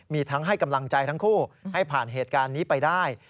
มีทั้งให้กำลังใจทั้งคู่ให้ผ่านเหตุการณ์นี้ไปได้